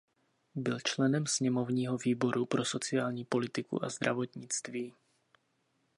Byl členem sněmovního výboru pro sociální politiku a zdravotnictví.